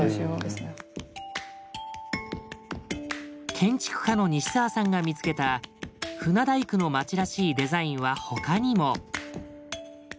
建築家の西沢さんが見つけた船大工の町らしいデザインはほかにも。